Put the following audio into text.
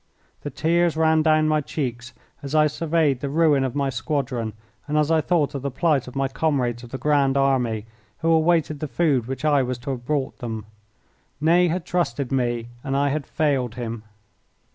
The tears ran down my cheeks as I surveyed the ruin of my squadron, and as I thought of the plight of my comrades of the Grand Army who awaited the food which I was to have brought them. Ney had trusted me and I had failed him.